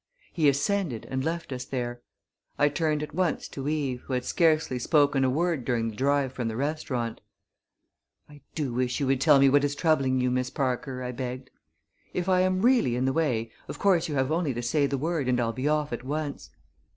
He ascended and left us there. I turned at once to Eve, who had scarcely spoken a word during the drive from the restaurant. "I do wish you would tell me what is troubling you, Miss Parker," I begged. "If I am really in the way of course you have only to say the word and I'll be off at once."